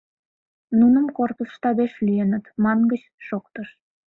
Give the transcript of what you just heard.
Нуным корпус штабеш лӱеныт, мангыч шоктыш.